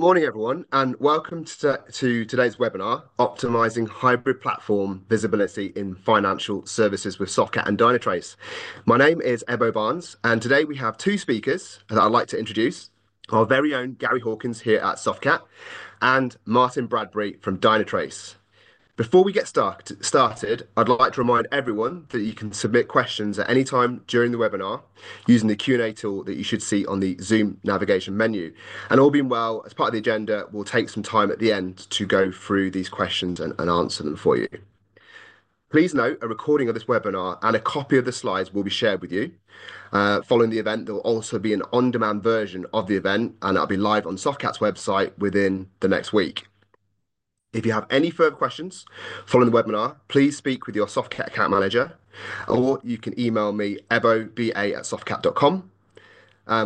Good morning, everyone, and welcome to today's webinar, Optimizing Hybrid Platform Visibility in Financial Services with Softcat and Dynatrace. My name is Ebow Barnes, and today we have two speakers that I'd like to introduce: our very own Gary Hawkins here at Softcat and Martin Bradbury from Dynatrace. Before we get started, I'd like to remind everyone that you can submit questions at any time during the webinar using the Q&A tool that you should see on the Zoom navigation menu, and all being well, as part of the agenda, we'll take some time at the end to go through these questions and answer them for you. Please note a recording of this webinar and a copy of the slides will be shared with you. Following the event, there will also be an on-demand version of the event, and that'll be live on Softcat's website within the next week. If you have any further questions following the webinar, please speak with your Softcat account manager, or you can email me, ebow@softcat.com.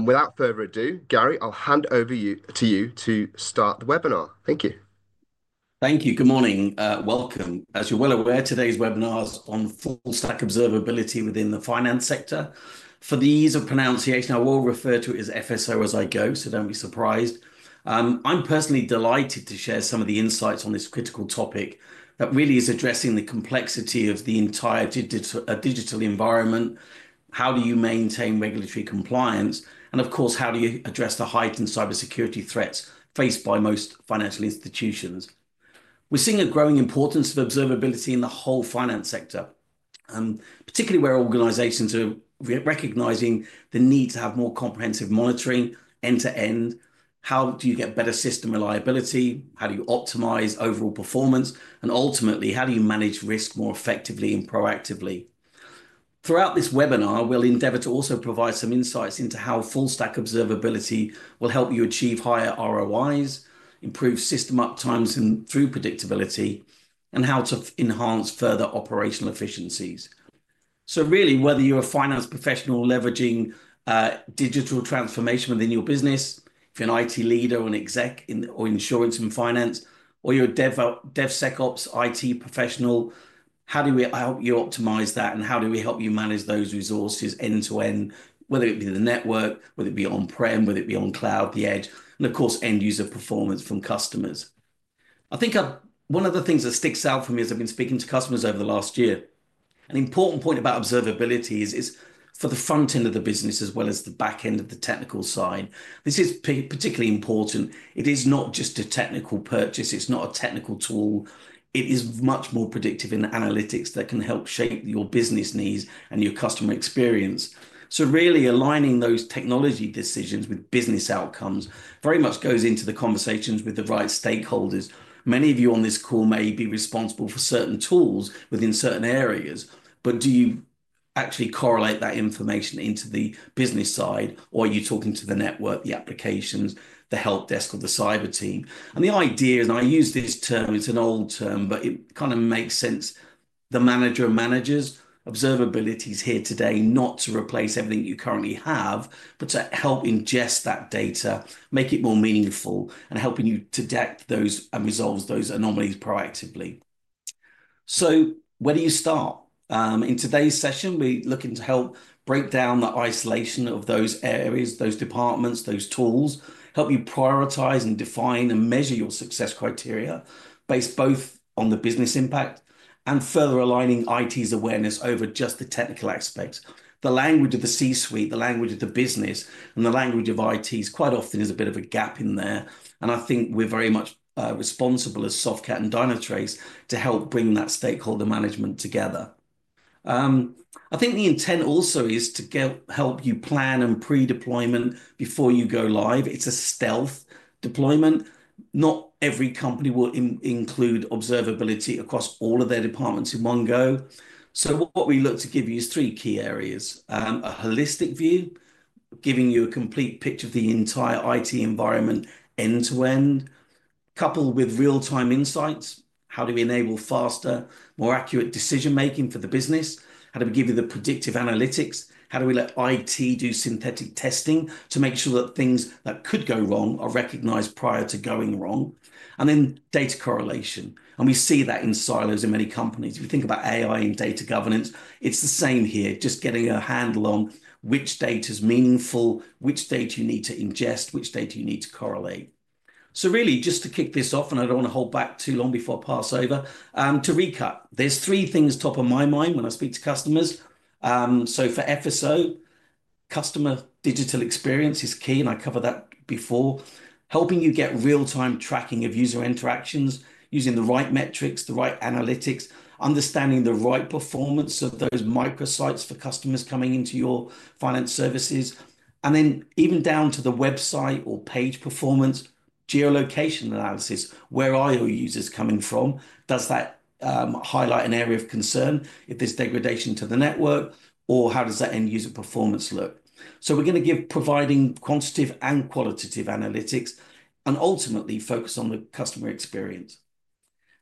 Without further ado, Gary, I'll hand over to you to start the webinar. Thank you. Thank you. Good morning. Welcome. As you're well aware, today's webinar is on full-stack observability within the finance sector. For the ease of pronunciation, I will refer to it as FSO as I go, so don't be surprised. I'm personally delighted to share some of the insights on this critical topic that really is addressing the complexity of the entire digital environment. How do you maintain regulatory compliance, and, of course, how do you address the heightened cybersecurity threats faced by most financial institutions? We're seeing a growing importance of observability in the whole finance sector, particularly where organizations are recognizing the need to have more comprehensive monitoring end-to-end. How do you get better system reliability? How do you optimize overall performance, and ultimately, how do you manage risk more effectively and proactively? Throughout this webinar, we'll endeavor to also provide some insights into how full-stack observability will help you achieve higher ROIs, improve system uptimes through predictability, and how to enhance further operational efficiencies. So really, whether you're a finance professional leveraging digital transformation within your business, if you're an IT leader or an exec in insurance and finance, or you're a DevSecOps IT professional, how do we help you optimize that? And how do we help you manage those resources end-to-end, whether it be the network, whether it be on-prem, whether it be on cloud, the edge, and, of course, end-user performance from customers? I think one of the things that sticks out for me as I've been speaking to customers over the last year, an important point about observability is for the front end of the business as well as the back end of the technical side. This is particularly important. It is not just a technical purchase. It's not a technical tool. It is much more predictive in the analytics that can help shape your business needs and your customer experience. So really, aligning those technology decisions with business outcomes very much goes into the conversations with the right stakeholders. Many of you on this call may be responsible for certain tools within certain areas, but do you actually correlate that information into the business side, or are you talking to the network, the applications, the help desk, or the cyber team? And the idea is, and I use this term, it's an old term, but it kind of makes sense, the mantra and mantras, observability is here today not to replace everything you currently have, but to help ingest that data, make it more meaningful, and helping you to detect those and resolve those anomalies proactively. So where do you start? In today's session, we're looking to help break down the isolation of those areas, those departments, those tools, help you prioritize and define and measure your success criteria based both on the business impact and further aligning IT's awareness over just the technical aspects. The language of the C-suite, the language of the business, and the language of IT quite often is a bit of a gap in there. And I think we're very much responsible as Softcat and Dynatrace to help bring that stakeholder management together. I think the intent also is to help you plan and pre-deployment before you go live. It's a stealth deployment. Not every company will include observability across all of their departments in one go. So what we look to give you is three key areas: a holistic view, giving you a complete picture of the entire IT environment end-to-end, coupled with real-time insights. How do we enable faster, more accurate decision-making for the business? How do we give you the predictive analytics? How do we let IT do synthetic testing to make sure that things that could go wrong are recognized prior to going wrong? And then data correlation. And we see that in silos in many companies. If you think about AI and data governance, it's the same here, just getting a handle on which data is meaningful, which data you need to ingest, which data you need to correlate. So really, just to kick this off, and I don't want to hold back too long before I pass over, to recap, there's three things top of my mind when I speak to customers. So for FSO, customer digital experience is key, and I covered that before, helping you get real-time tracking of user interactions using the right metrics, the right analytics, understanding the right performance of those microsites for customers coming into your finance services, and then even down to the website or page performance, geolocation analysis. Where are your users coming from? Does that highlight an area of concern? If there's degradation to the network, or how does that end-user performance look? So we're going to give providing quantitative and qualitative analytics and ultimately focus on the customer experience.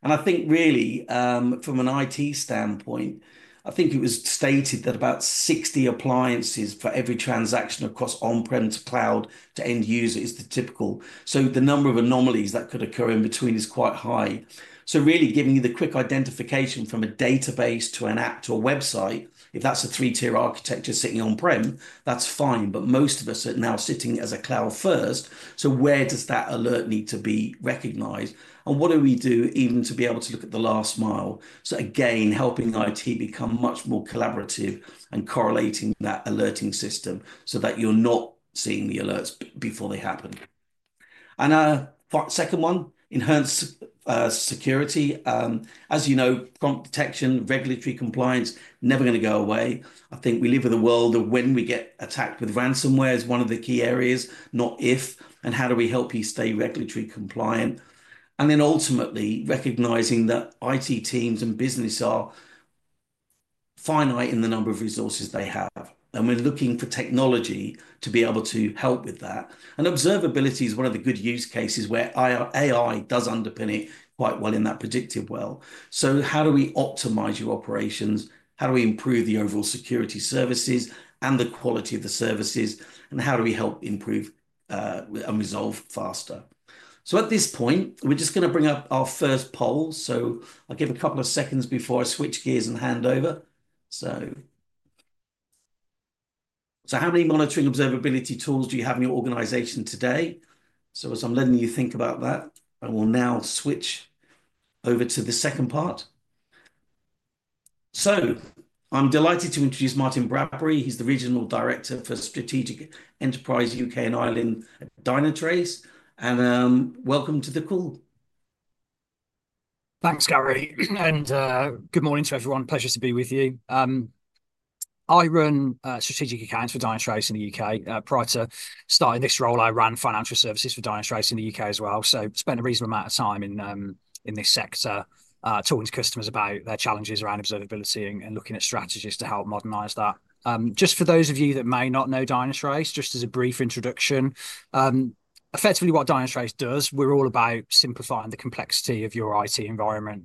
And I think really, from an IT standpoint, I think it was stated that about 60 appliances for every transaction across on-prem to cloud to end user is the typical. So the number of anomalies that could occur in between is quite high. So really giving you the quick identification from a database to an app to a website, if that's a three-tier architecture sitting on-prem, that's fine. But most of us are now sitting as a cloud first. So where does that alert need to be recognized? And what do we do even to be able to look at the last mile? So again, helping IT become much more collaborative and correlating that alerting system so that you're not seeing the alerts before they happen. And our second one, enhanced security. As you know, prompt detection, regulatory compliance, never going to go away. I think we live in a world of when we get attacked with ransomware is one of the key areas, not if, and how do we help you stay regulatory compliant? And then ultimately, recognizing that IT teams and business are finite in the number of resources they have, and we're looking for technology to be able to help with that. And observability is one of the good use cases where AI does underpin it quite well in that predictive world. So how do we optimize your operations? How do we improve the overall security services and the quality of the services? And how do we help improve and resolve faster? So at this point, we're just going to bring up our first poll. So I'll give a couple of seconds before I switch gears and hand over. So how many monitoring observability tools do you have in your organization today? So as I'm letting you think about that, I will now switch over to the second part. So I'm delighted to introduce Martin Bradbury. He's the Regional Director for Strategic Enterprise U.K. and Ireland at Dynatrace. And welcome to the call. Thanks, Gary, and good morning to everyone. Pleasure to be with you. I run strategic accounts for Dynatrace in the U.K. Prior to starting this role, I ran financial services for Dynatrace in the U.K. as well, so I spent a reasonable amount of time in this sector talking to customers about their challenges around observability and looking at strategies to help modernize that. Just for those of you that may not know Dynatrace, just as a brief introduction, effectively what Dynatrace does. We're all about simplifying the complexity of your IT environment.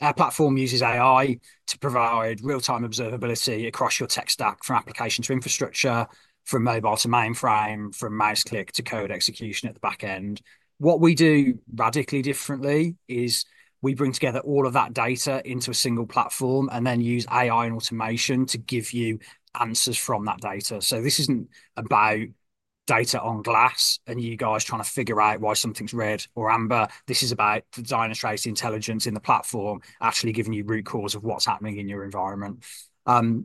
Our platform uses AI to provide real-time observability across your tech stack from application to infrastructure, from mobile to mainframe, from mouse click to code execution at the back end. What we do radically differently is we bring together all of that data into a single platform and then use AI and automation to give you answers from that data. So this isn't about data on glass and you guys trying to figure out why something's red or amber. This is about the Dynatrace intelligence in the platform actually giving you root cause of what's happening in your environment.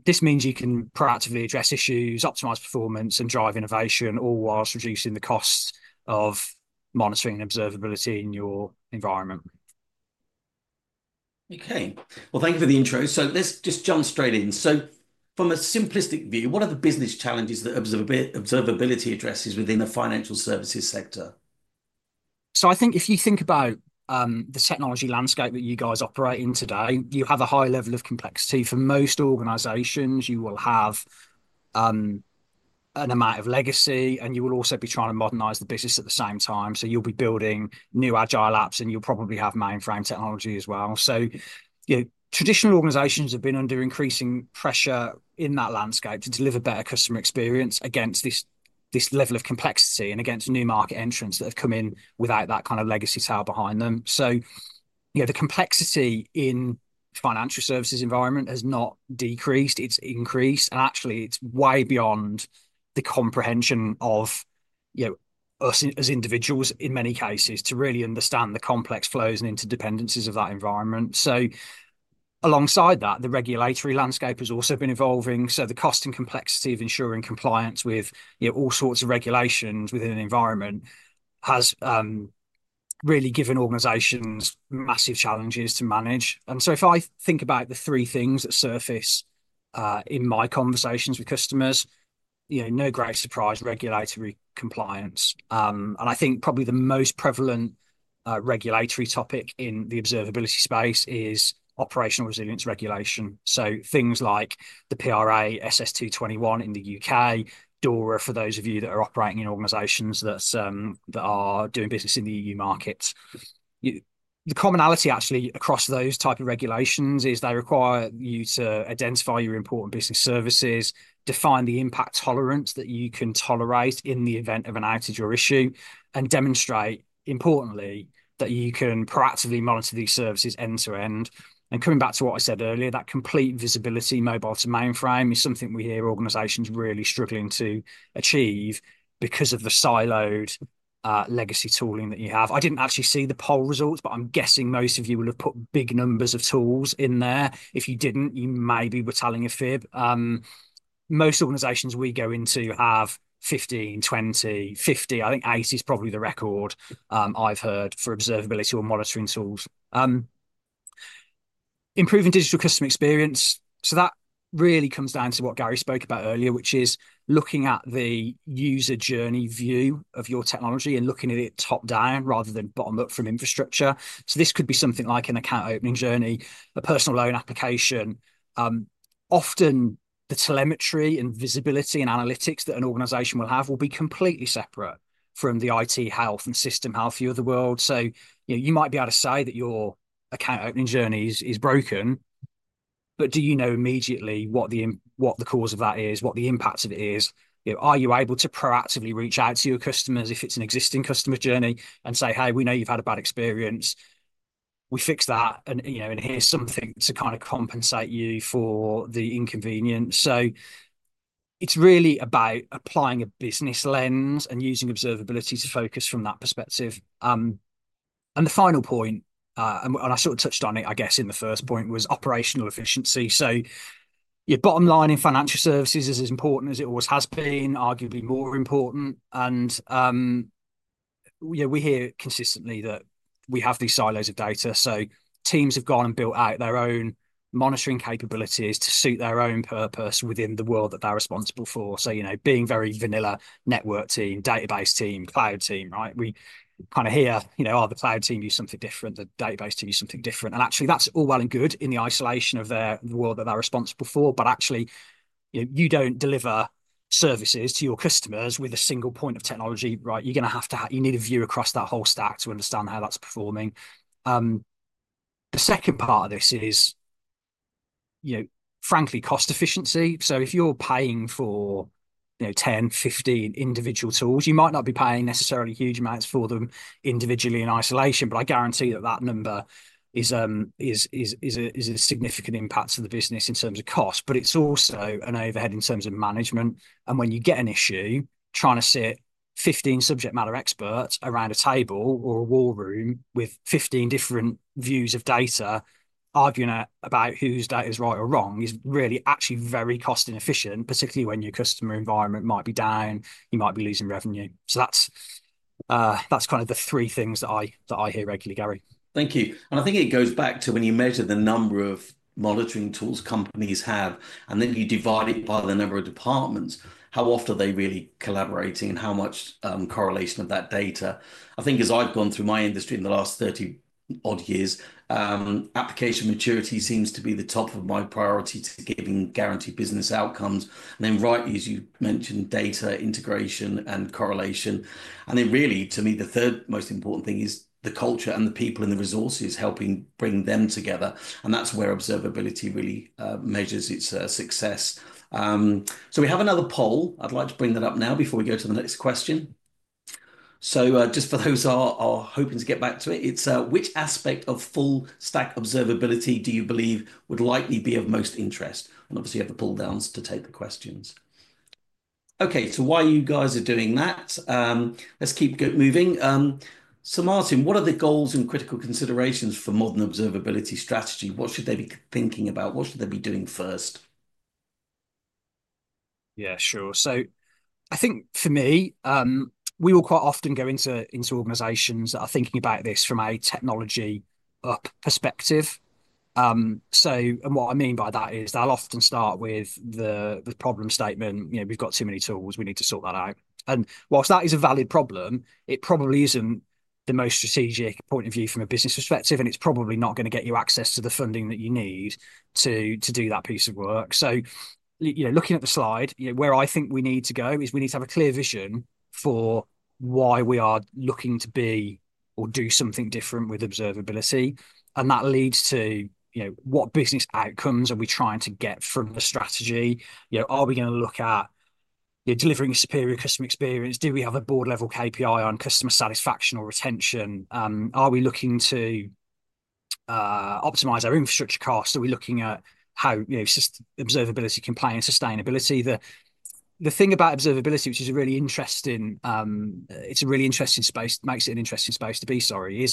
This means you can proactively address issues, optimize performance, and drive innovation all whilst reducing the costs of monitoring and observability in your environment. Okay. Well, thank you for the intro. So let's just jump straight in. So from a simplistic view, what are the business challenges that observability addresses within the financial services sector? So I think if you think about the technology landscape that you guys operate in today, you have a high level of complexity. For most organizations, you will have an amount of legacy, and you will also be trying to modernize the business at the same time. So you'll be building new agile apps, and you'll probably have mainframe technology as well. So traditional organizations have been under increasing pressure in that landscape to deliver better customer experience against this level of complexity and against new market entrants that have come in without that kind of legacy to haul behind them. So the complexity in the financial services environment has not decreased. It's increased. And actually, it's way beyond the comprehension of us as individuals in many cases to really understand the complex flows and interdependencies of that environment. So alongside that, the regulatory landscape has also been evolving. The cost and complexity of ensuring compliance with all sorts of regulations within an environment has really given organizations massive challenges to manage. And so if I think about the three things that surface in my conversations with customers, no great surprise, regulatory compliance. And I think probably the most prevalent regulatory topic in the observability space is operational resilience regulation. So things like the PRA SS2/21 in the U.K., DORA for those of you that are operating in organizations that are doing business in the EU market. The commonality actually across those types of regulations is they require you to identify your important business services, define the impact tolerance that you can tolerate in the event of an outage or issue, and demonstrate, importantly, that you can proactively monitor these services end-to-end. And coming back to what I said earlier, that complete visibility mobile to mainframe is something we hear organizations really struggling to achieve because of the siloed legacy tooling that you have. I didn't actually see the poll results, but I'm guessing most of you will have put big numbers of tools in there. If you didn't, you maybe were telling a fib. Most organizations we go into have 15, 20, 50. I think 80 is probably the record I've heard for observability or monitoring tools. Improving digital customer experience. So that really comes down to what Gary spoke about earlier, which is looking at the user journey view of your technology and looking at it top-down rather than bottom-up from infrastructure. So this could be something like an account opening journey, a personal loan application. Often the telemetry and visibility and analytics that an organization will have will be completely separate from the IT health and system health view of the world. So you might be able to say that your account opening journey is broken, but do you know immediately what the cause of that is, what the impact of it is? Are you able to proactively reach out to your customers if it's an existing customer journey and say, "Hey, we know you've had a bad experience. We fixed that, and here's something to kind of compensate you for the inconvenience." So it's really about applying a business lens and using observability to focus from that perspective. And the final point, and I sort of touched on it, I guess, in the first point, was operational efficiency. Your bottom line in financial services is as important as it always has been, arguably more important. We hear consistently that we have these silos of data. Teams have gone and built out their own monitoring capabilities to suit their own purpose within the world that they're responsible for. Being very vanilla network team, database team, cloud team, right? We kind of hear, the cloud team use something different. The database team use something different. And actually, that's all well and good in the isolation of the world that they're responsible for. But actually, you don't deliver services to your customers with a single point of technology, right? You're going to have to have you need a view across that whole stack to understand how that's performing. The second part of this is, frankly, cost efficiency. So if you're paying for 10, 15 individual tools, you might not be paying necessarily huge amounts for them individually in isolation, but I guarantee that that number is a significant impact to the business in terms of cost, but it's also an overhead in terms of management. And when you get an issue, trying to sit 15 subject matter experts around a table or a war room with 15 different views of data, arguing about whose data is right or wrong is really actually very cost inefficient, particularly when your customer environment might be down, you might be losing revenue. So that's kind of the three things that I hear regularly, Gary. Thank you. And I think it goes back to when you measure the number of monitoring tools companies have, and then you divide it by the number of departments, how often are they really collaborating and how much correlation of that data. I think as I've gone through my industry in the last 30-odd years, application maturity seems to be the top of my priority to giving guaranteed business outcomes. And then rightly, as you mentioned, data integration and correlation. And then really, to me, the third most important thing is the culture and the people and the resources helping bring them together. And that's where observability really measures its success. So we have another poll. I'd like to bring that up now before we go to the next question. So just for those who are hoping to get back to it, it's "Which aspect of full-stack observability do you believe would likely be of most interest?" And obviously, you have the pull-downs to take the questions. Okay, so while you guys are doing that. Let's keep moving. So Martin, what are the goals and critical considerations for modern observability strategy? What should they be thinking about? What should they be doing first? Yeah, sure. So I think for me, we will quite often go into organizations that are thinking about this from a technology up perspective. And what I mean by that is they'll often start with the problem statement, "We've got too many tools. We need to sort that out." And whilst that is a valid problem, it probably isn't the most strategic point of view from a business perspective, and it's probably not going to get you access to the funding that you need to do that piece of work. So looking at the slide, where I think we need to go is we need to have a clear vision for why we are looking to be or do something different with observability. And that leads to what business outcomes are we trying to get from the strategy? Are we going to look at delivering a superior customer experience? Do we have a board-level KPI on customer satisfaction or retention? Are we looking to optimize our infrastructure costs? Are we looking at how observability can play in sustainability? The thing about observability, which is a really interesting space, makes it an interesting space to be. Sorry,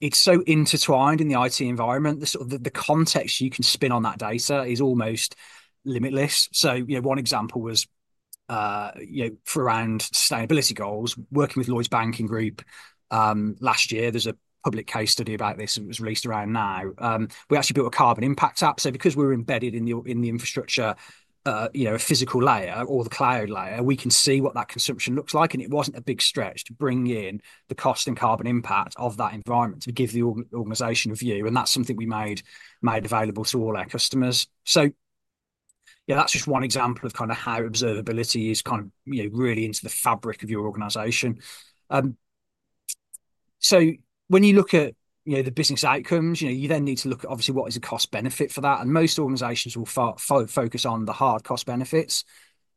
it's so intertwined in the IT environment. The context you can spin on that data is almost limitless. So one example was for around sustainability goals, working with Lloyds Banking Group last year. There's a public case study about this. It was released around now. We actually built a Carbon Impact app. So because we're embedded in the infrastructure, a physical layer, or the cloud layer, we can see what that consumption looks like. It wasn't a big stretch to bring in the cost and carbon impact of that environment to give the organization a view. And that's something we made available to all our customers. So yeah, that's just one example of kind of how observability is kind of really into the fabric of your organization. So when you look at the business outcomes, you then need to look at, obviously, what is the cost benefit for that? And most organizations will focus on the hard cost benefits,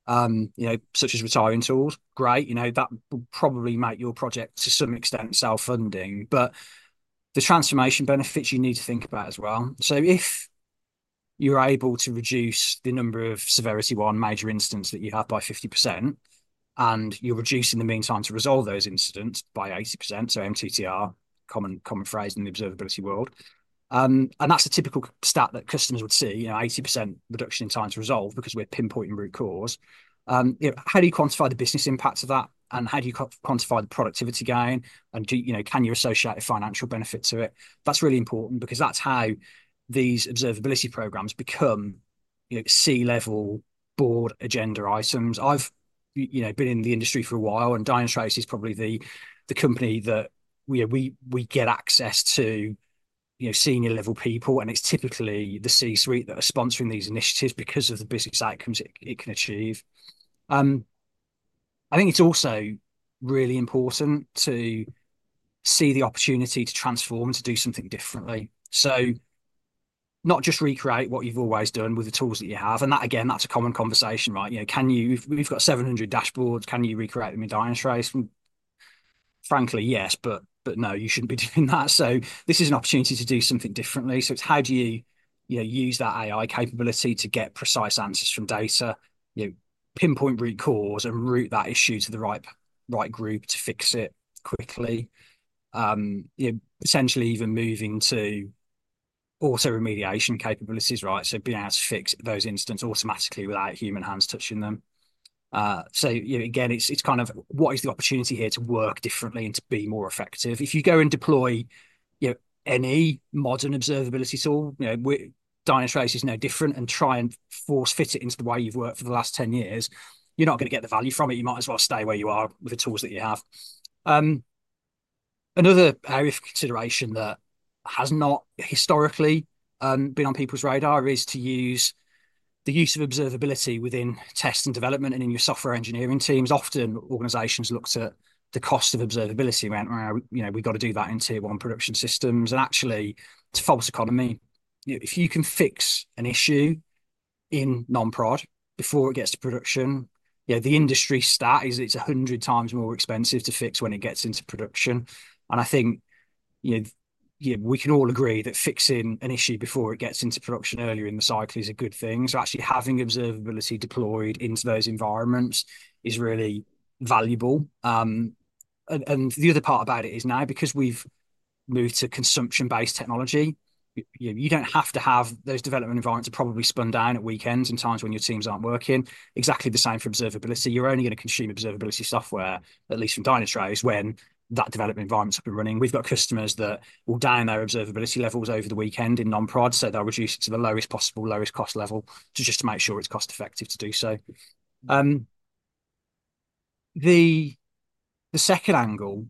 such as retiring tools. Great. That will probably make your project to some extent self-funding. But the transformation benefits you need to think about as well. So if you're able to reduce the number of severity one major incidents that you have by 50%, and you're reducing the mean time to resolve those incidents by 80%, so MTTR, common phrase in the observability world. And that's a typical stat that customers would see, 80% reduction in time to resolve because we're pinpointing root cause. How do you quantify the business impact of that? And how do you quantify the productivity gain? And can you associate a financial benefit to it? That's really important because that's how these observability programs become C-level board agenda items. I've been in the industry for a while, and Dynatrace is probably the company that we get access to senior-level people, and it's typically the C-suite that are sponsoring these initiatives because of the business outcomes it can achieve. I think it's also really important to see the opportunity to transform and to do something differently. So not just recreate what you've always done with the tools that you have. And that, again, that's a common conversation, right? We've got 700 dashboards. Can you recreate them in Dynatrace? Frankly, yes, but no, you shouldn't be doing that. So this is an opportunity to do something differently. So it's how do you use that AI capability to get precise answers from data, pinpoint root cause, and route that issue to the right group to fix it quickly? Essentially, even moving to auto-remediation capabilities, right? So being able to fix those incidents automatically without human hands touching them. So again, it's kind of what is the opportunity here to work differently and to be more effective? If you go and deploy any modern observability tool, Dynatrace is no different, and try and force-fit it into the way you've worked for the last 10 years, you're not going to get the value from it. You might as well stay where you are with the tools that you have. Another area of consideration that has not historically been on people's radar is the use of observability within test and development and in your software engineering teams. Often, organizations look to the cost of observability around, "We've got to do that in tier-one production systems." And actually, it's a false economy. If you can fix an issue in non-prod before it gets to production, the industry stat is it's 100 times more expensive to fix when it gets into production. And I think we can all agree that fixing an issue before it gets into production earlier in the cycle is a good thing. So actually having observability deployed into those environments is really valuable. And the other part about it is now, because we've moved to consumption-based technology, you don't have to have those development environments to probably spend down at weekends and times when your teams aren't working. Exactly the same for observability. You're only going to consume observability software, at least from Dynatrace, when that development environment has been running. We've got customers that will down their observability levels over the weekend in non-prod, so they'll reduce it to the lowest possible lowest cost level just to make sure it's cost-effective to do so. The second angle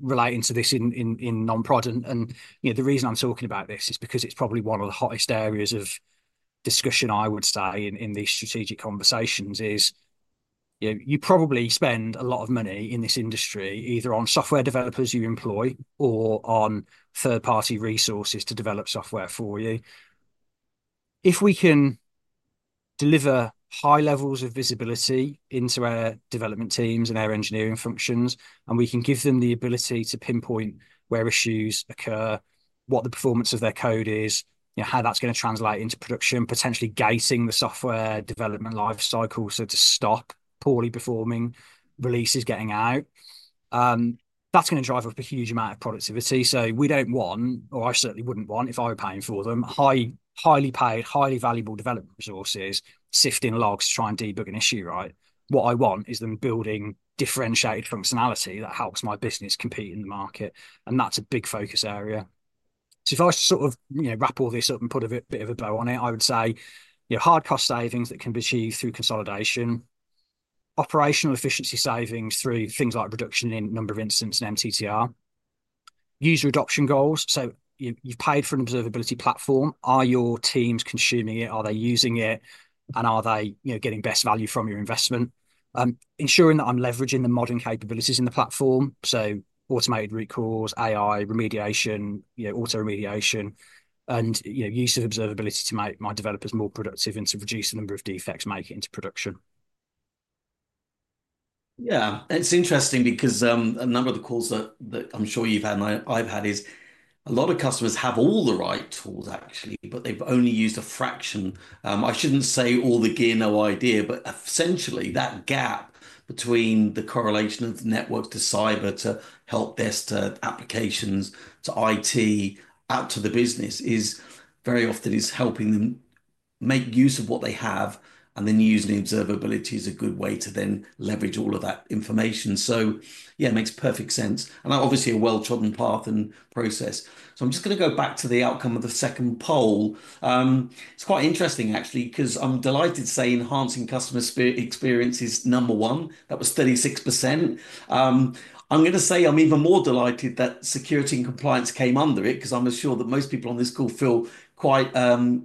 relating to this in non-prod, and the reason I'm talking about this is because it's probably one of the hottest areas of discussion, I would say, in these strategic conversations, is you probably spend a lot of money in this industry either on software developers you employ or on third-party resources to develop software for you. If we can deliver high levels of visibility into our development teams and our engineering functions, and we can give them the ability to pinpoint where issues occur, what the performance of their code is, how that's going to translate into production, potentially gating the software development life cycle so to stop poorly performing releases getting out, that's going to drive up a huge amount of productivity. So we don't want, or I certainly wouldn't want, if I were paying for them, highly paid, highly valuable development resources sifting logs to try and debug an issue, right? What I want is them building differentiated functionality that helps my business compete in the market, and that's a big focus area. So if I sort of wrap all this up and put a bit of a bow on it, I would say hard cost savings that can be achieved through consolidation, operational efficiency savings through things like reduction in number of incidents and MTTR, user adoption goals. So you've paid for an observability platform. Are your teams consuming it? Are they using it? And are they getting best value from your investment? Ensuring that I'm leveraging the modern capabilities in the platform. So automated root cause, AI, remediation, auto-remediation, and use of observability to make my developers more productive and to reduce the number of defects making it into production. Yeah. It's interesting because a number of the calls that I'm sure you've had and I've had is a lot of customers have all the right tools, actually, but they've only used a fraction. I shouldn't say all the gear no idea, but essentially, that gap between the correlation of the network to cyber to help desk to applications to IT out to the business is very often helping them make use of what they have, and then using observability is a good way to then leverage all of that information. So yeah, it makes perfect sense, and obviously, a well-trodden path and process. So I'm just going to go back to the outcome of the second poll. It's quite interesting, actually, because I'm delighted to say enhancing customer experience is number one. That was 36%. I'm going to say I'm even more delighted that security and compliance came under it because I'm sure that most people on this call feel quite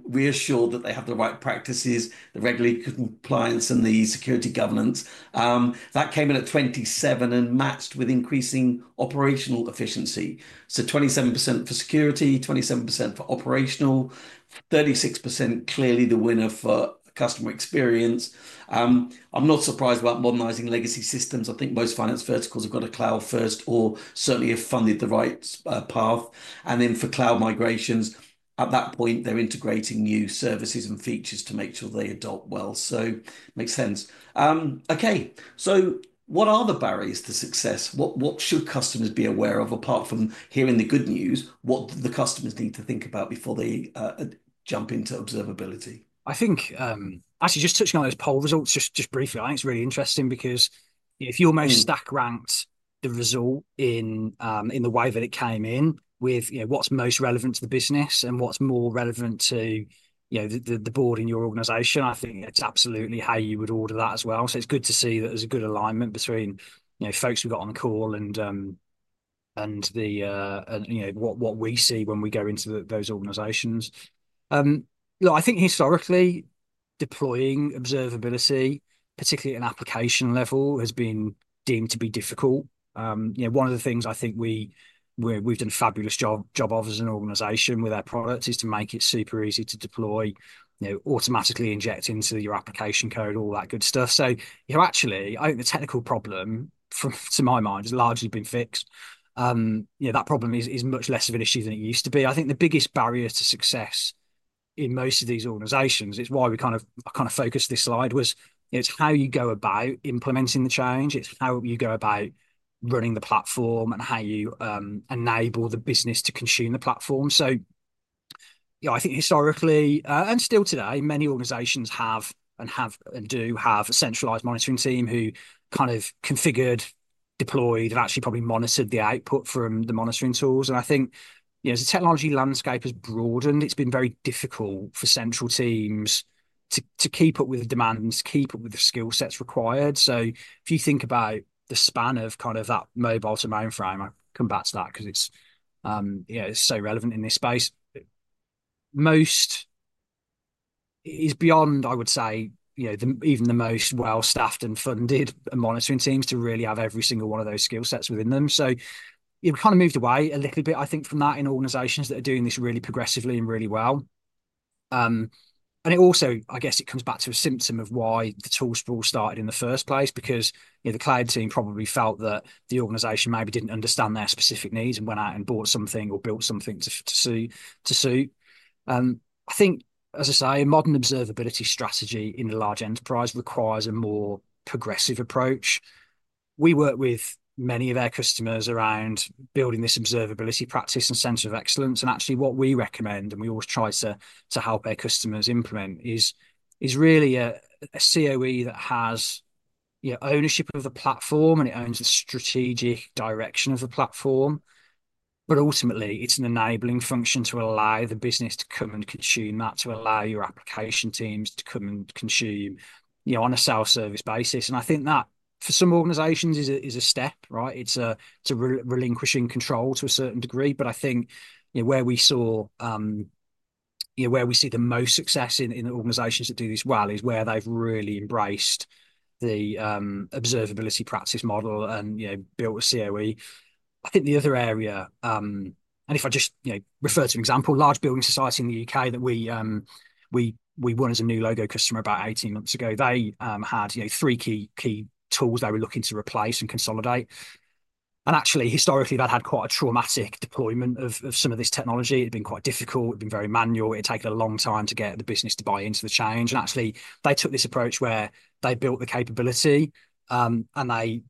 reassured that they have the right practices, the regular compliance, and the security governance. That came in at 27% and matched with increasing operational efficiency, so 27% for security, 27% for operational, 36% clearly the winner for customer experience. I'm not surprised about modernizing legacy systems. I think most finance verticals have got a cloud first or certainly have funded the right path, and then for cloud migrations, at that point, they're integrating new services and features to make sure they adopt well, so makes sense. Okay, so what are the barriers to success? What should customers be aware of apart from hearing the good news? What do the customers need to think about before they jump into observability? I think, actually, just touching on those poll results just briefly, I think it's really interesting because if you almost stack ranked the result in the way that it came in with what's most relevant to the business and what's more relevant to the board in your organization, I think it's absolutely how you would order that as well. So it's good to see that there's a good alignment between folks we've got on the call and what we see when we go into those organizations. I think historically, deploying observability, particularly at an application level, has been deemed to be difficult. One of the things I think we've done a fabulous job of as an organization with our product is to make it super easy to deploy, automatically inject into your application code, all that good stuff. So actually, I think the technical problem to my mind has largely been fixed. That problem is much less of an issue than it used to be. I think the biggest barrier to success in most of these organizations, it's why I kind of focused this slide, was it's how you go about implementing the change. It's how you go about running the platform and how you enable the business to consume the platform. So I think historically, and still today, many organizations have and do have a centralized monitoring team who kind of configured, deployed, have actually probably monitored the output from the monitoring tools. And I think as the technology landscape has broadened, it's been very difficult for central teams to keep up with the demands, keep up with the skill sets required. So if you think about the span of kind of that mobile to mainframe, I'll come back to that because it's so relevant in this space. It's beyond, I would say, even the most well-staffed and funded monitoring teams to really have every single one of those skill sets within them. So it kind of moved away a little bit, I think, from that in organizations that are doing this really progressively and really well. And it also, I guess, it comes back to a symptom of why the tool sprawl started in the first place because the cloud team probably felt that the organization maybe didn't understand their specific needs and went out and bought something or built something to suit. I think, as I say, a modern observability strategy in a large enterprise requires a more progressive approach. We work with many of our customers around building this observability practice and sense of excellence, and actually, what we recommend, and we always try to help our customers implement, is really a COE that has ownership of the platform and it owns the strategic direction of the platform, but ultimately, it's an enabling function to allow the business to come and consume that, to allow your application teams to come and consume on a self-service basis, and I think that for some organizations is a step, right? It's a relinquishing control to a certain degree, but I think where we saw, where we see the most success in the organizations that do this well is where they've really embraced the observability practice model and built a COE. I think the other area, and if I just refer to an example, large building society in the U.K. that we won as a new logo customer about 18 months ago. They had three key tools they were looking to replace and consolidate. Actually, historically, they'd had quite a traumatic deployment of some of this technology. It had been quite difficult. It had been very manual. It had taken a long time to get the business to buy into the change. Actually, they took this approach where they built the capability, and they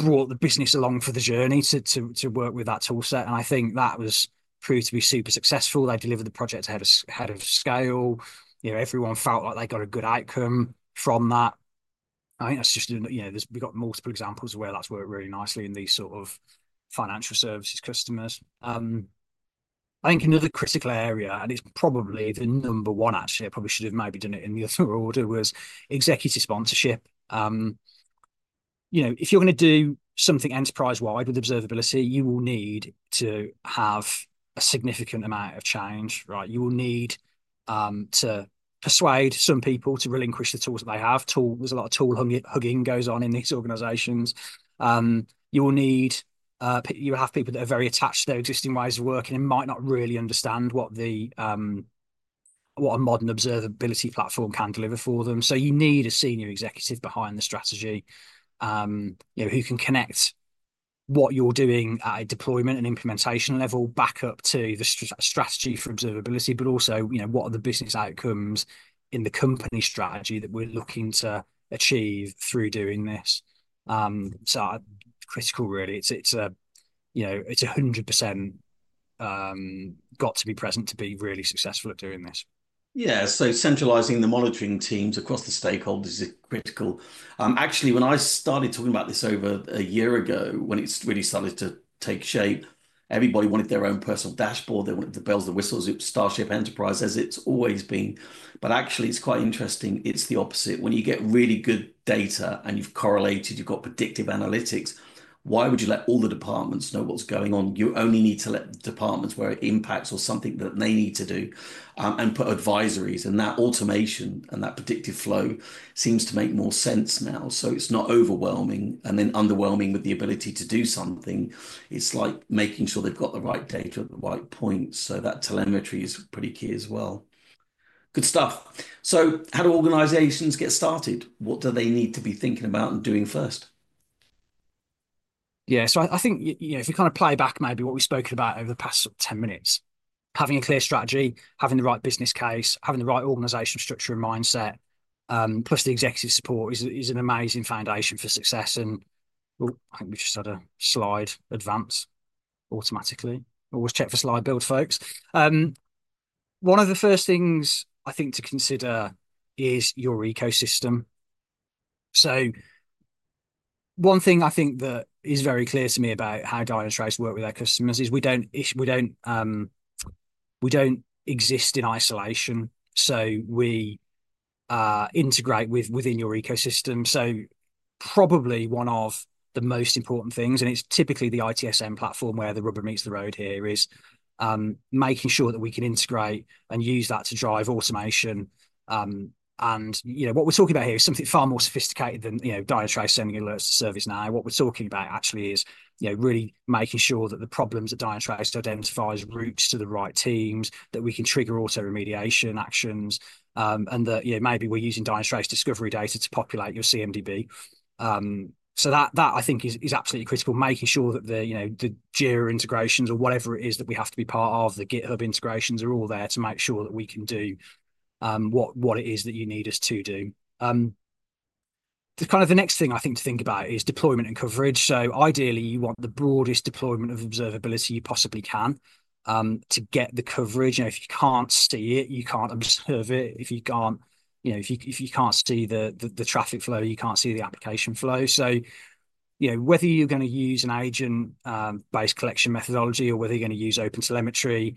brought the business along for the journey to work with that tool set. I think that was proved to be super successful. They delivered the project ahead of schedule. Everyone felt like they got a good outcome from that. I think that's just, we've got multiple examples where that's worked really nicely in these sort of financial services customers. I think another critical area, and it's probably the number one, actually, I probably should have maybe done it in the other order, was executive sponsorship. If you're going to do something enterprise-wide with observability, you will need to have a significant amount of change, right? You will need to persuade some people to relinquish the tools that they have. There's a lot of tool hugging goes on in these organizations. You will need to have people that are very attached to their existing ways of working and might not really understand what a modern observability platform can deliver for them. So you need a senior executive behind the strategy who can connect what you're doing at a deployment and implementation level back up to the strategy for observability, but also what are the business outcomes in the company strategy that we're looking to achieve through doing this. So critical, really. It's 100% got to be present to be really successful at doing this. Yeah. So centralizing the monitoring teams across the stakeholders is critical. Actually, when I started talking about this over a year ago, when it really started to take shape, everybody wanted their own personal dashboard. They wanted the bells and whistles. It was Starship Enterprise as it's always been. But actually, it's quite interesting. It's the opposite. When you get really good data and you've correlated, you've got predictive analytics, why would you let all the departments know what's going on? You only need to let the departments where it impacts or something that they need to do and put advisories. And that automation and that predictive flow seems to make more sense now. So it's not overwhelming and then underwhelming with the ability to do something. It's like making sure they've got the right data at the right point. So that telemetry is pretty key as well. Good stuff. So how do organizations get started? What do they need to be thinking about and doing first? Yeah. So I think if we kind of play back maybe what we've spoken about over the past 10 minutes, having a clear strategy, having the right business case, having the right organizational structure and mindset, plus the executive support is an amazing foundation for success. I think we just had a slide advance automatically. Always check for slide build, folks. One of the first things I think to consider is your ecosystem. One thing I think that is very clear to me about how Dynatrace work with our customers is we don't exist in isolation. We integrate within your ecosystem. Probably one of the most important things, and it's typically the ITSM platform where the rubber meets the road here, is making sure that we can integrate and use that to drive automation. What we're talking about here is something far more sophisticated than Dynatrace sending alerts to ServiceNow. What we're talking about actually is really making sure that the problems that Dynatrace identifies, routes to the right teams, that we can trigger auto remediation actions, and that maybe we're using Dynatrace discovery data to populate your CMDB. So that, I think, is absolutely critical. Making sure that the Jira integrations or whatever it is that we have to be part of, the GitHub integrations are all there to make sure that we can do what it is that you need us to do. Kind of the next thing I think to think about is deployment and coverage. So ideally, you want the broadest deployment of observability you possibly can to get the coverage. If you can't see it, you can't observe it. If you can't see the traffic flow, you can't see the application flow. So whether you're going to use an agent-based collection methodology or whether you're going to use OpenTelemetry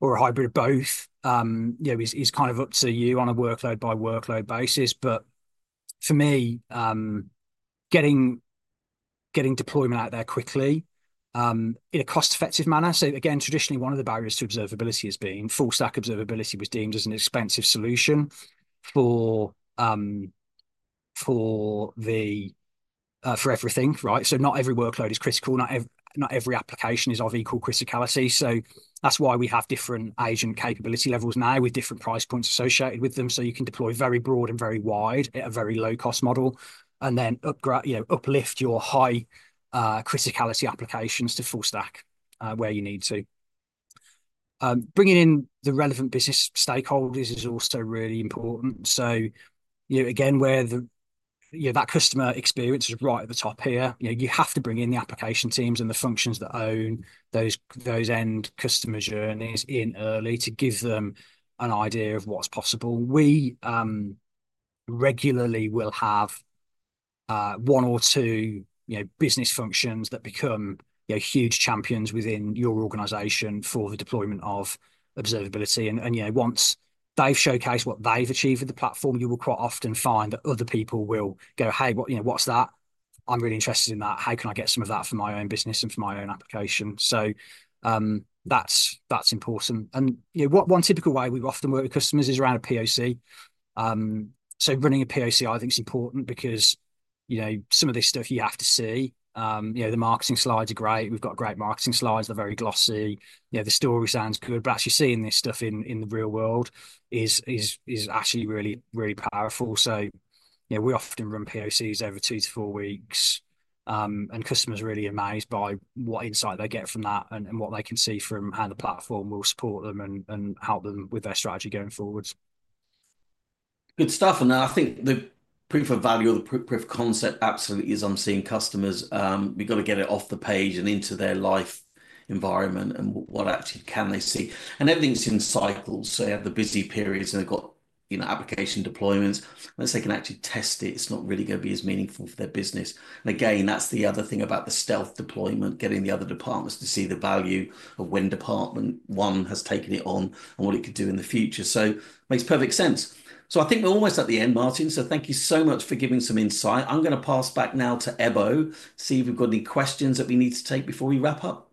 or a hybrid of both is kind of up to you on a workload-by-workload basis. But for me, getting deployment out there quickly in a cost-effective manner. So again, traditionally, one of the barriers to observability has been Full-Stack Observability was deemed as an expensive solution for everything, right? So not every workload is critical. Not every application is of equal criticality. So that's why we have different agent capability levels now with different price points associated with them. So you can deploy very broad and very wide at a very low-cost model and then uplift your high criticality applications to full-stack where you need to. Bringing in the relevant business stakeholders is also really important. So again, where that customer experience is right at the top here, you have to bring in the application teams and the functions that own those end customer journeys in early to give them an idea of what's possible. We regularly will have one or two business functions that become huge champions within your organization for the deployment of observability. And once they've showcased what they've achieved with the platform, you will quite often find that other people will go, "Hey, what's that? I'm really interested in that. How can I get some of that for my own business and for my own application?" So that's important. And one typical way we often work with customers is around a POC. So running a POC, I think, is important because some of this stuff you have to see. The marketing slides are great. We've got great marketing slides. They're very glossy. The story sounds good, but actually seeing this stuff in the real world is actually really, really powerful, so we often run POCs every two to four weeks, and customers are really amazed by what insight they get from that and what they can see from how the platform will support them and help them with their strategy going forwards. Good stuff, and I think the proof of value or the proof of concept absolutely is on seeing customers. We've got to get it off the page and into their live environment and what actually can they see. And everything's in cycles, so they have the busy periods and they've got application deployments. Unless they can actually test it, it's not really going to be as meaningful for their business. And again, that's the other thing about the stealth deployment, getting the other departments to see the value of when department one has taken it on and what it could do in the future, so it makes perfect sense. I think we're almost at the end, Martin, so thank you so much for giving some insight. I'm going to pass back now to Ebow. See if we've got any questions that we need to take before we wrap up.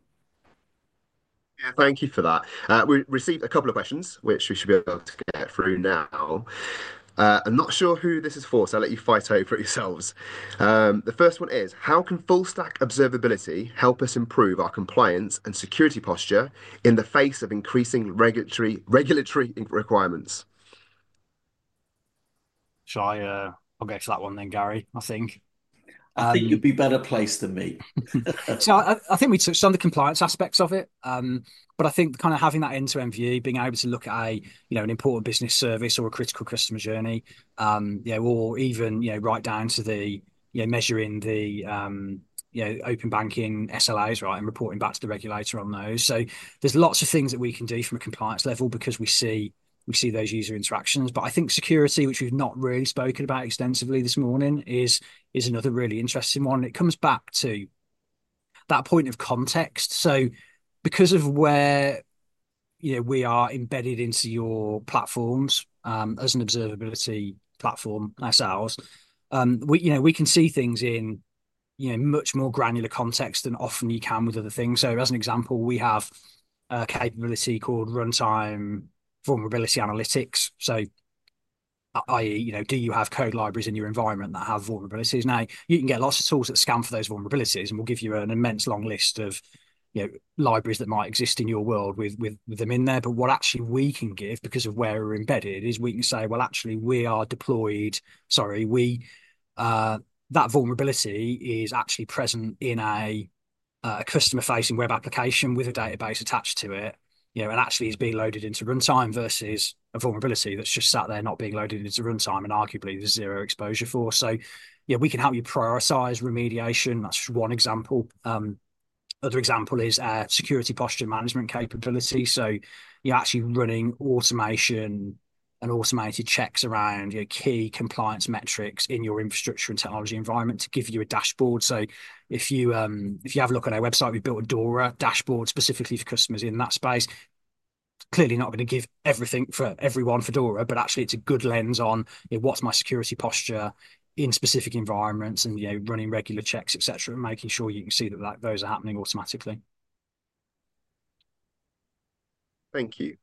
Yeah, thank you for that. We received a couple of questions, which we should be able to get through now. I'm not sure who this is for, so I'll let you fight over it yourselves. The first one is, how can Full-Stack Observability help us improve our compliance and security posture in the face of increasing regulatory requirements? Shall I go to that one then, Gary, I think? I think you'd be better placed than me. I think we took some of the compliance aspects of it, but I think kind of having that end-to-end view, being able to look at an important business service or a critical customer journey, or even right down to measuring the Open Banking SLAs and reporting back to the regulator on those. So there's lots of things that we can do from a compliance level because we see those user interactions. But I think security, which we've not really spoken about extensively this morning, is another really interesting one. It comes back to that point of context. So because of where we are embedded into your platforms as an observability platform ourselves, we can see things in much more granular context than often you can with other things. So as an example, we have a capability called Runtime Vulnerability Analytics. So, i.e., do you have code libraries in your environment that have vulnerabilities? Now, you can get lots of tools that scan for those vulnerabilities, and we'll give you an immense long list of libraries that might exist in your world with them in there. But what actually we can give because of where we're embedded is we can say, "Well, actually, we are deployed sorry, that vulnerability is actually present in a customer-facing web application with a database attached to it and actually is being loaded into runtime versus a vulnerability that's just sat there not being loaded into runtime and arguably there's zero exposure for." So we can help you prioritize remediation. That's just one example. Another example is security posture management capability. So actually running automation and automated checks around key compliance metrics in your infrastructure and technology environment to give you a dashboard. So if you have a look on our website, we've built a DORA dashboard specifically for customers in that space. Clearly not going to give everything for everyone for DORA, but actually it's a good lens on what's my security posture in specific environments and running regular checks, etc., and making sure you can see that those are happening automatically. Thank you.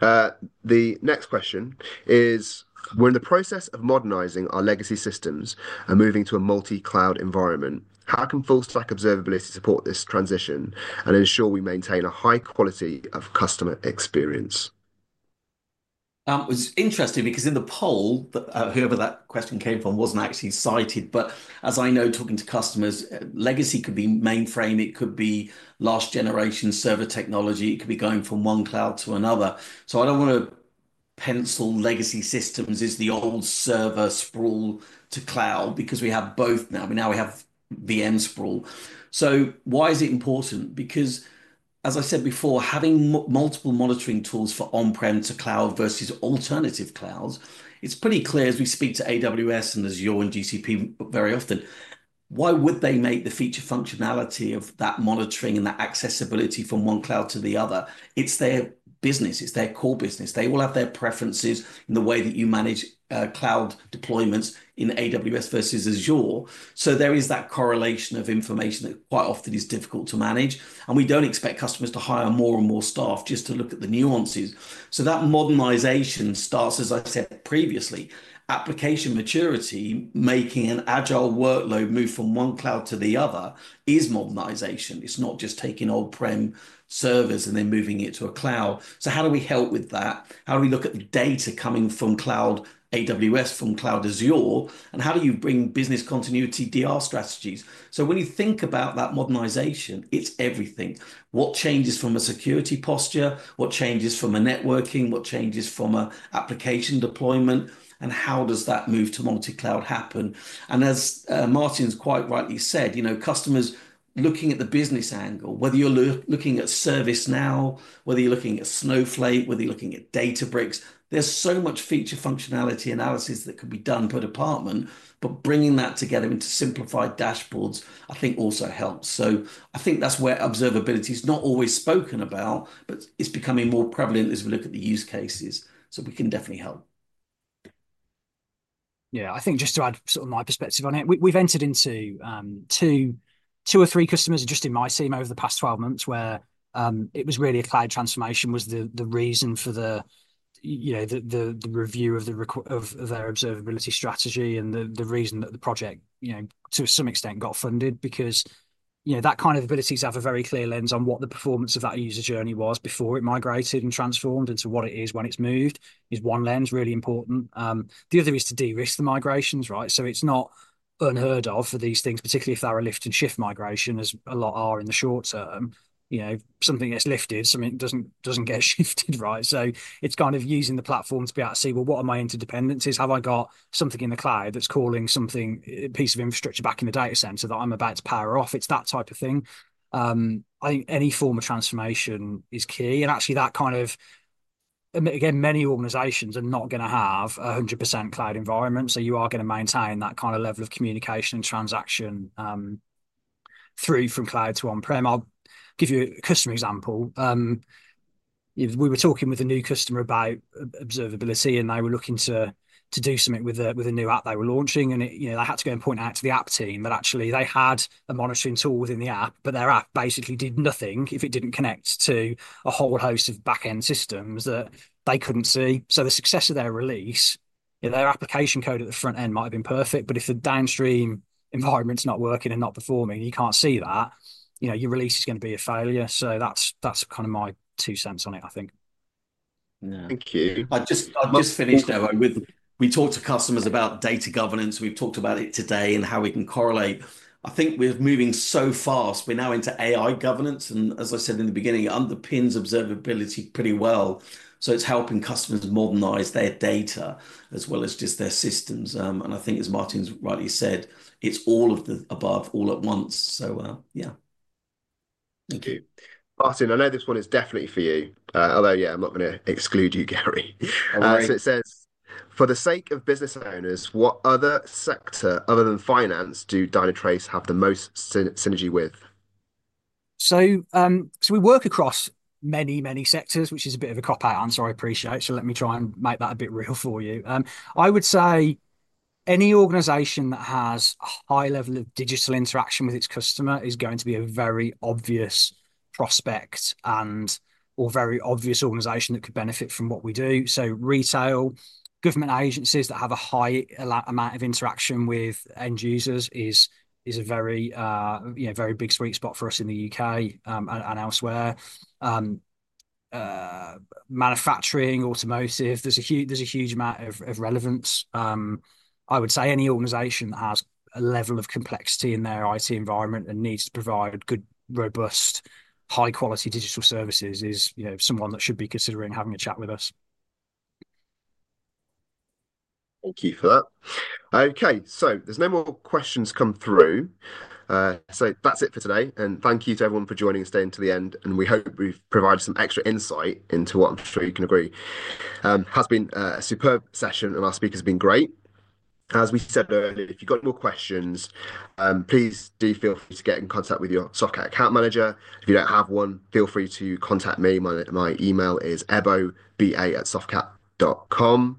The next question is, "We're in the process of modernizing our legacy systems and moving to a multi-cloud environment. How can full-stack observability support this transition and ensure we maintain a high quality of customer experience? It was interesting because in the poll, whoever that question came from wasn't actually cited. But as I know, talking to customers, legacy could be mainframe. It could be last-generation server technology. It could be going from one cloud to another. So I don't want to pigeonhole legacy systems as the old server sprawl to cloud because we have both now. I mean, now we have VM sprawl. So why is it important? Because, as I said before, having multiple monitoring tools for on-prem to cloud versus alternative clouds, it's pretty clear as we speak to AWS and Azure and GCP very often, why would they make the feature functionality of that monitoring and that accessibility from one cloud to the other? It's their business. It's their core business. They all have their preferences in the way that you manage cloud deployments in AWS versus Azure. So there is that correlation of information that quite often is difficult to manage. And we don't expect customers to hire more and more staff just to look at the nuances. So that modernization starts, as I said previously, application maturity, making an agile workload move from one cloud to the other is modernization. It's not just taking on-prem servers and then moving it to a cloud. So how do we help with that? How do we look at the data coming from cloud AWS, from cloud Azure, and how do you bring business continuity DR strategies? So when you think about that modernization, it's everything. What changes from a security posture? What changes from a networking? What changes from an application deployment? And how does that move to multi-cloud happen? As Martin's quite rightly said, customers looking at the business angle, whether you're looking at ServiceNow, whether you're looking at Snowflake, whether you're looking at Databricks, there's so much feature functionality analysis that could be done per department, but bringing that together into simplified dashboards, I think also helps. I think that's where observability is not always spoken about, but it's becoming more prevalent as we look at the use cases. We can definitely help. Yeah, I think just to add sort of my perspective on it, we've entered into two or three customers just in my team over the past 12 months where it was really a cloud transformation was the reason for the review of their observability strategy and the reason that the project to some extent got funded because that kind of abilities have a very clear lens on what the performance of that user journey was before it migrated and transformed into what it is when it's moved is one lens really important. The other is to de-risk the migrations, right? So it's not unheard of for these things, particularly if they're a lift and shift migration, as a lot are in the short term. Something gets lifted, something doesn't get shifted, right? So it's kind of using the platform to be able to see, well, what are my interdependencies? Have I got something in the cloud that's calling something, a piece of infrastructure back in the data center that I'm about to power off? It's that type of thing. I think any form of transformation is key, and actually, that kind of, again, many organizations are not going to have a 100% cloud environment. So you are going to maintain that kind of level of communication and transaction through from cloud to on-prem. I'll give you a customer example. We were talking with a new customer about observability, and they were looking to do something with a new app they were launching, and they had to go and point out to the app team that actually they had a monitoring tool within the app, but their app basically did nothing if it didn't connect to a whole host of back-end systems that they couldn't see. The success of their release, their application code at the front end might have been perfect, but if the downstream environment's not working and not performing, you can't see that. Your release is going to be a failure. That's kind of my two cents on it, I think. Thank you. I've just finished, Ebow. We talked to customers about data governance. We've talked about it today and how we can correlate. I think we're moving so fast. We're now into AI governance, and as I said in the beginning, it underpins observability pretty well, so it's helping customers modernize their data as well as just their systems, and I think, as Martin's rightly said, it's all of the above all at once, so yeah. Thank you. Martin, I know this one is definitely for you, although, yeah, I'm not going to exclude you, Gary. So it says, "For the sake of business owners, what other sector other than finance do Dynatrace have the most synergy with? So we work across many, many sectors, which is a bit of a cop-out. I'm sorry, I appreciate it. So let me try and make that a bit real for you. I would say any organization that has a high level of digital interaction with its customer is going to be a very obvious prospect or very obvious organization that could benefit from what we do. So retail, government agencies that have a high amount of interaction with end users is a very big sweet spot for us in the U.K. and elsewhere. Manufacturing, automotive, there's a huge amount of relevance. I would say any organization that has a level of complexity in their IT environment and needs to provide good, robust, high-quality digital services is someone that should be considering having a chat with us. Thank you for that. Okay, so there's no more questions come through, so that's it for today, and thank you to everyone for joining and staying to the end, and we hope we've provided some extra insight into what I'm sure you can agree it has been a superb session, and our speakers have been great. As we said earlier, if you've got more questions, please do feel free to get in contact with your Softcat account manager. If you don't have one, feel free to contact me. My email is ebowba@softcat.com.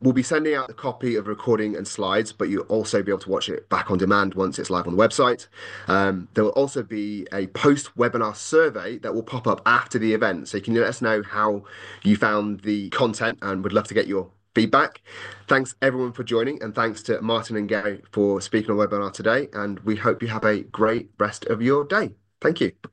We'll be sending out a copy of the recording and slides, but you'll also be able to watch it back on demand once it's live on the website. There will also be a post-webinar survey that will pop up after the event. So you can let us know how you found the content and would love to get your feedback. Thanks, everyone, for joining. And thanks to Martin and Gary for speaking on the webinar today. And we hope you have a great rest of your day. Thank you.